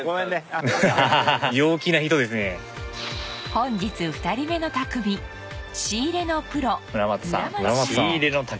本日２人目の匠仕入れのプロ村松さん